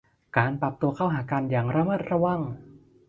การปรับตัวเข้าหากันอย่างระมัดระวัง